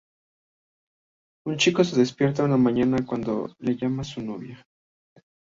Un chico se despierta una mañana cuando le llama su novia.